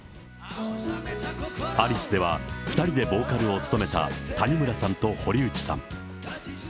アリスでは２人でボーカルを務めた谷村さんと堀内さん。